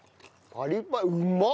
パリパリうまっ！